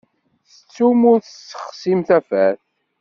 Tettum ur tessexsim tafat.